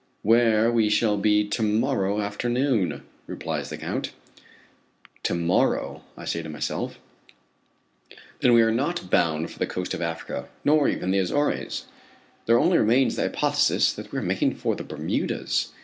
"Where we shall be to morrow afternoon," replies the Count. To morrow, I say to myself. Then we are not bound for the coast of Africa, nor even the Azores. There only remains the hypothesis that we are making for the Bermudas.